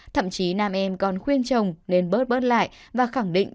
thậm chí nam em còn khuyên chồng nên bớt bớt lại và khẳng định bản thân